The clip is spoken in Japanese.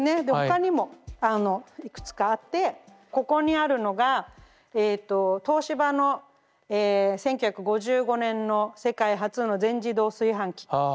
で他にもいくつかあってここにあるのがえと東芝の１９５５年の世界初の全自動炊飯器。